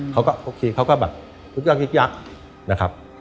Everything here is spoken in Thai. เขาก็โอเคเขาก็แบบรู้จักยักษ์